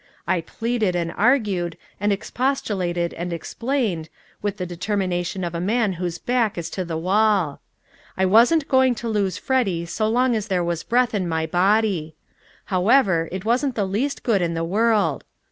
I pleaded and argued, and expostulated and explained, with the determination of a man whose back is to the wall. I wasn't going to lose Freddy so long as there was breath in my body. However, it wasn't the least good in the world.